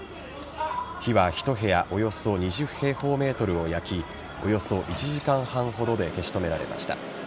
火は１部屋およそ２０平方ｍを焼きおよそ１時間半ほどで消し止められました。